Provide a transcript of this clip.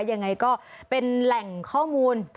ยังไงก็เป็นแหล่งข้อมูล